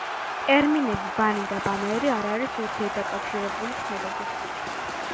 ტერმინები „ბანი“ და „ბანერი“ არ არის ურთიერთდაკავშირებული ცნებები.